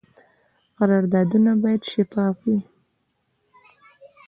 قراردادونه باید شفاف وي